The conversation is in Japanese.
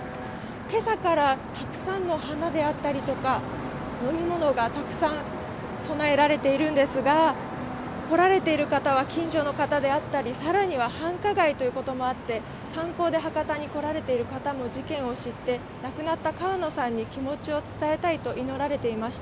今朝からたくさんの花であったりとか飲み物が供えられているんですが、来られている方は近所の方であったり、更には繁華街ということもあって、観光で来られている方も事件を知って亡くなった川野さんに気持ちを伝えたいと祈られていました。